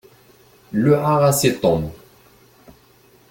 Luɛaɣ-as i Tom.